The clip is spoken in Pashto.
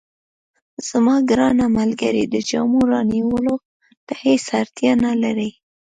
زما ګرانه ملګرې، د جامو رانیولو ته هیڅ اړتیا نه لرې.